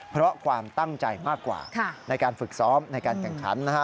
เพราะความตั้งใจมากกว่าในการฝึกซ้อมในการแข่งขันนะฮะ